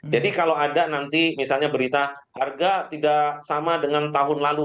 jadi kalau ada nanti misalnya berita harga tidak sama dengan tahun lalu